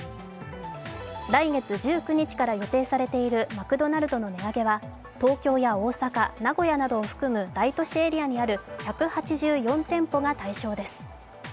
来月１９日から予定されているマクドナルドの値上げは東京や大阪、名古屋などを含む大都市エリアにある１８４店舗が対象です。